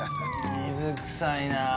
水くさいなあ。